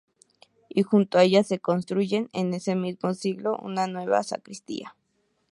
Y junto a ella se construye en este mismo siglo una nueva sacristía.